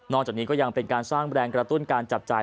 จากนี้ก็ยังเป็นการสร้างแรงกระตุ้นการจับจ่าย